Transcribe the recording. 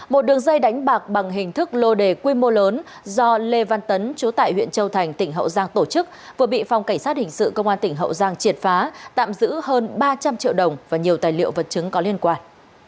một đường dây đánh bạc bằng hình thức lô đề quy mô lớn do lê văn tấn chú tại huyện châu thành tỉnh hậu giang tổ chức vừa bị phòng cảnh sát hình sự công an tỉnh hậu giang triệt phá tạm giữ hơn ba trăm linh triệu đồng và nhiều tài liệu vật chứng có liên quan